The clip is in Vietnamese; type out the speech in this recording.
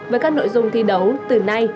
với các nội dung thi đấu từ nay